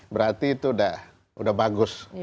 berarti itu udah bagus